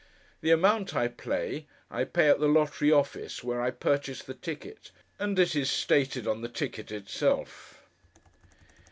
The amount I play, I pay at the lottery office, where I purchase the ticket; and it is stated on the ticket itself.